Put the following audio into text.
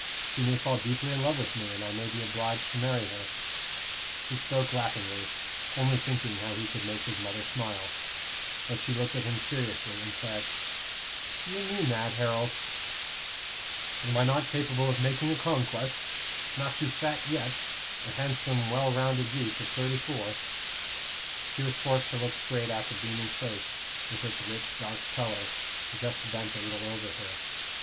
she may fall deeply in love with me, and I may be obliged to marry her." He spoke laughingly, only thinking how he could make his mother smile. But she looked at him seriously and said, "Do you mean that, Harold?" "Am I not capable of making a conquest? Not too fat yet a handsome, well rounded youth of thirty four?" She was forced to look straight at the beaming face, with its rich dark color, just bent a little over her.